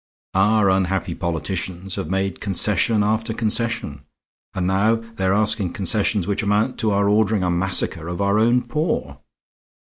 Our unhappy politicians have made concession after concession; and now they are asking concessions which amount to our ordering a massacre of our own poor.